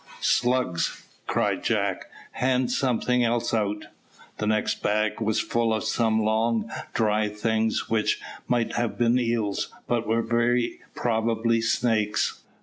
"Slugs," cried Jack. "Hand something else out." The next bag was full of some long, dried things, which might have been eels, but were very probably snakes.